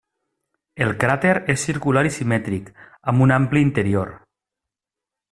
El cràter és circular i simètric, amb un ampli interior.